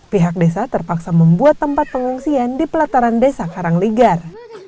pihak desa terpaksa membuat tempat pengungsian di pelataran desa karangligar